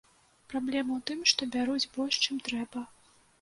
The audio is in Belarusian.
Праблема ў тым, што бяруць больш, чым трэба.